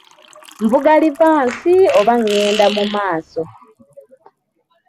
Nvuga livansi oba ngenda mu maaso?